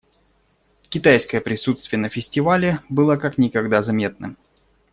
Китайское присутствие на фестивале было как никогда заметным.